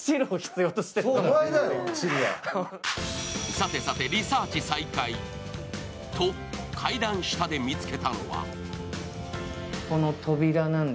さてさて、リサーチ再開。と階段下で見つけたのは？